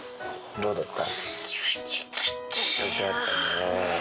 どうだった？